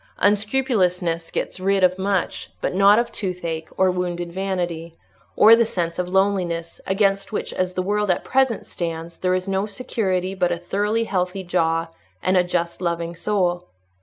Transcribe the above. Unscrupulousness gets rid of much, but not of toothache, or wounded vanity, or the sense of loneliness, against which, as the world at present stands, there is no security but a thoroughly healthy jaw, and a just, loving soul.